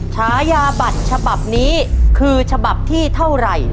ฉายาบัตรฉบับนี้คือฉบับที่เท่าไหร่